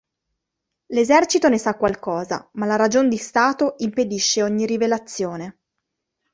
L'esercito ne sa qualcosa, ma la ragion di Stato impedisce ogni rivelazione.